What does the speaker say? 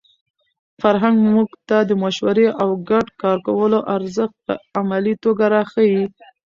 فرهنګ موږ ته د مشورې او ګډ کار کولو ارزښت په عملي توګه راښيي.